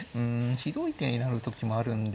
ひどい手になる時もあるんで。